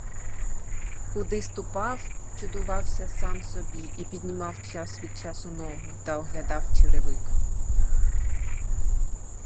Куди ступав, чудувався сам собі і піднімав час від часу ногу та оглядав черевик.